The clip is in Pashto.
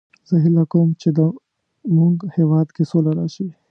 زه هیله کوم چې د مونږ هیواد کې سوله راشي